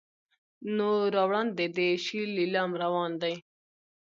نو را وړاندې دې شي لیلام روان دی.